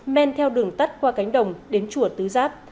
men theo đường tắt qua cánh đồng đến chùa tứ giáp